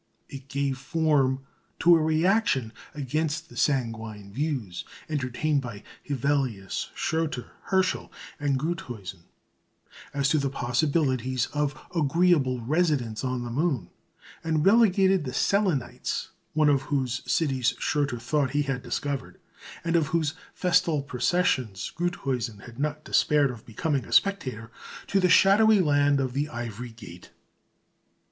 It gave form to a reaction against the sanguine views entertained by Hevelius, Schröter, Herschel and Gruithuisen as to the possibilities of agreeable residence on the moon, and relegated the "Selenites," one of whose cities Schröter thought he had discovered, and of whose festal processions Gruithuisen had not despaired of becoming a spectator, to the shadowy land of the Ivory Gate.